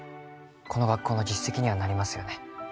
この学校の実績にはなりますよね